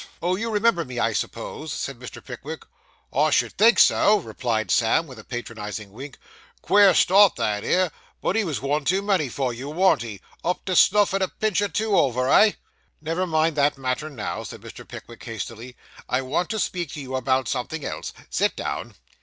'Oh you remember me, I suppose?' said Mr. Pickwick. 'I should think so,' replied Sam, with a patronising wink. 'Queer start that 'ere, but he was one too many for you, warn't he? Up to snuff and a pinch or two over eh?' 'Never mind that matter now,' said Mr. Pickwick hastily; 'I want to speak to you about something else. Sit down.